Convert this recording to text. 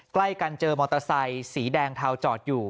ใกล้กันเจอมอเตอร์ไซค์สีแดงเทาจอดอยู่